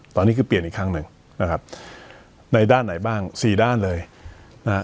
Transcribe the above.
ตอนนี้คือเปลี่ยนอีกครั้งหนึ่งนะครับในด้านไหนบ้างสี่ด้านเลยนะฮะ